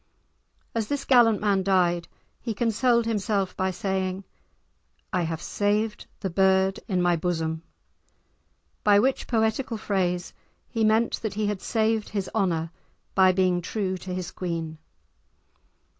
As this gallant man died he consoled himself by saying, "I have saved the bird in my bosom," by which poetical phrase he meant that he had saved his honour by being true to his queen.